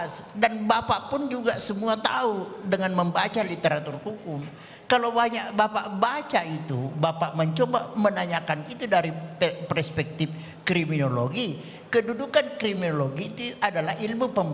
yang artinya adalah lebih baik mati daripada menanggung malu